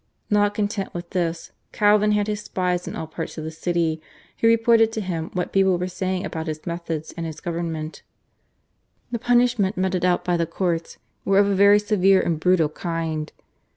Not content with this Calvin had his spies in all parts of the city, who reported to him what people were saying about his methods and his government. The punishment meted out by the courts were of a very severe and brutal kind.